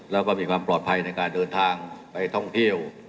แล้วก็มีความปลอดภัยในการเดินทางไปท่องเที่ยว